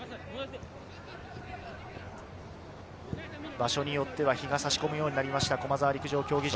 場所によっては陽が差し込むようになりました駒沢陸上競技場。